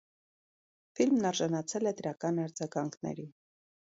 Ֆիլմն արժանացել է դրական արձագանքների։